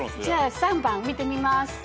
じゃあ３番見てみます。